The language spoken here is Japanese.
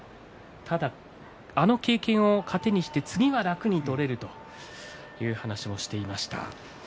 ただあの経験を糧にして次は楽に取れるという話もしていました。